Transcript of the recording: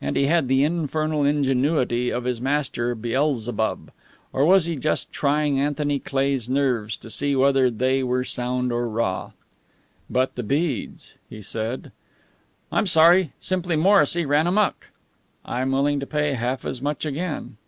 And he had the infernal ingenuity of his master, Beelzebub. Or was he just trying Anthony Cleigh's nerves to see whether they were sound or raw? "But the beads!" he said. "I'm sorry. Simply Morrissy ran amuck." "I am willing to pay half as much again."